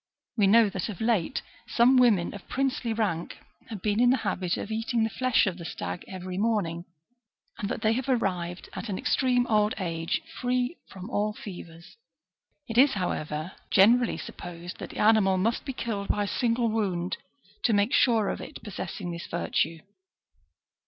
We know that of late some women of princely rank have been in the habit of eating the flesh of the stag every morning, and that they have arrived at an extreme old age, free from all fevers. It is, however, generally supposed that the animal must be killed by a single wound to make sure of it possessing this virtue.